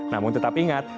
namun tetap ingat